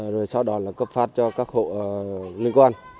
rồi sau đó là cấp phát cho các hộ liên quan